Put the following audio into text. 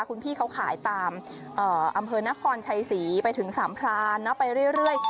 คุณพี่เขาขายตามอำเภอนครชัยศรีไปถึงสามพรานไปเรื่อย